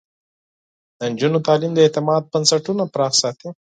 د نجونو تعليم د اعتماد بنسټونه پراخ ساتي.